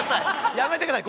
やめてください。